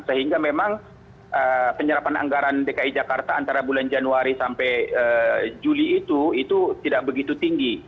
sehingga memang penyerapan anggaran dki jakarta antara bulan januari sampai juli itu itu tidak begitu tinggi